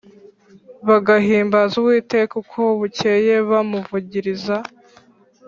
bagahimbaza Uwiteka uko bukeye bamuvugiriza